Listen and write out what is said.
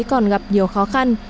còn gặp nhiều khó khăn